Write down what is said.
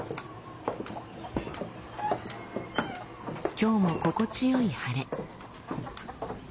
今日も心地よい晴れ。